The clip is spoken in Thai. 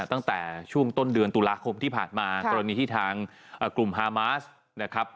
ตั้งแต่ช่วงต้นเดือนตุลาคมที่ผ่านมากรณีที่ทางกลุ่มฮามาสนะครับ